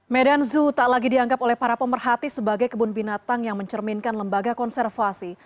medan zoo tak lagi dianggap oleh para pemerhati sebagai kebun binatang yang mencerminkan lembaga konservasi